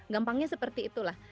gampangnya seperti itulah